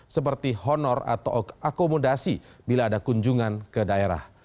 seperti honor atau akomodasi bila ada kunjungan ke daerah